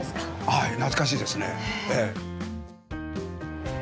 はい懐かしいですね。